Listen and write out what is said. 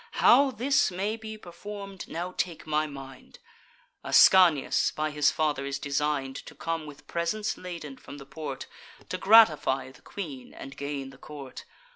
How this may be perform'd, now take my mind: Ascanius by his father is design'd To come, with presents laden, from the port, To gratify the queen, and gain the court.